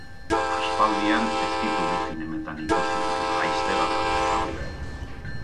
Aspaldian ez ditugu zinemetan ikusi baina laster aldatuko da hori.